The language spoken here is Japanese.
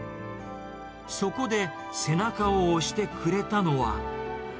そこで背中を押してくれたのは。